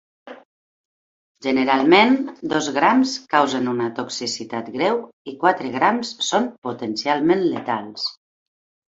Generalment, dos grams causen una toxicitat greu i quatre grams són potencialment letals.